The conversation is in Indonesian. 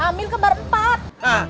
hamil kembar empat